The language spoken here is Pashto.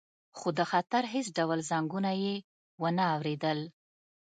خو د خطر هیڅ ډول زنګونه یې ونه اوریدل